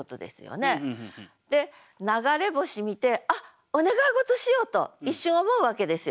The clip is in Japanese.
流れ星見て「あっお願い事しよう！」と一瞬思うわけですよ。